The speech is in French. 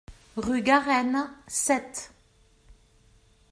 Rue Garenne, Sète